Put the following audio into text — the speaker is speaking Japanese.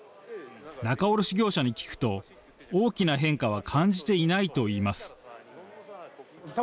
仲卸業者に聞くと、大きな変化は感じていないといいます